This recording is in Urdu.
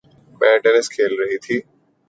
میں ٹینس کھیل رہی تھی